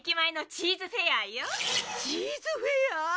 チーズフェア！？